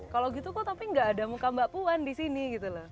kalau gitu kok tapi nggak ada muka mbak puan di sini gitu loh